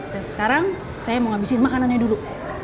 dan sekarang saya mau ngabisin makanannya dulu